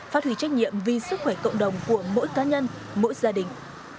phát hủy trách nhiệm vì sức khỏe cộng đồng của mỗi cá nhân mỗi gia đình